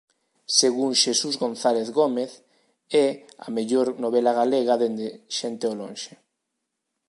Segundo Xesús González Gómez é "a mellor novela galega desde "Xente ao lonxe".